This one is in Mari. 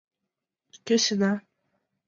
Кӧ сеҥа?